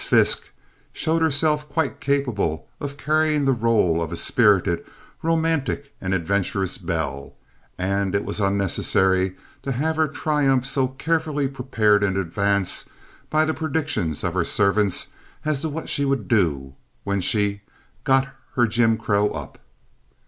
Fiske showed herself quite capable of carrying the rôle of a spirited, romantic and adventurous belle, and it was unnecessary to have her triumph so carefully prepared in advance by the predictions of her servants as to what she would do when she "got her Jim Crow up."